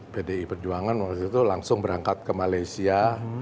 pdi perjuangan waktu itu langsung berangkat ke malaysia